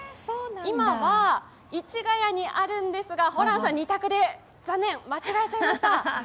今は市谷にあるんですけれどもホランさん、２択で残念、間違えちゃいました、